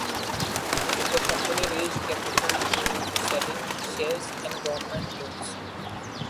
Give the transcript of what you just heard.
The company raised capital through selling shares and government loans.